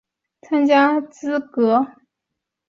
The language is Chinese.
并且保证每一洲至少有一队伍都获得参加资格。